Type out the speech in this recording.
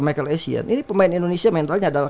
michael essien ini pemain indonesia mentalnya adalah